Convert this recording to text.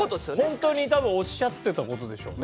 ほんとに多分おっしゃってたことでしょうね。